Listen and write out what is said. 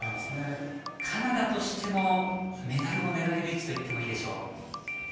カナダとしても、メダルを狙える位置といってもいいでしょう。